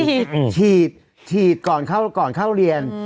ฉีดฉีดก่อนเข้าก่อนเข้าเรียน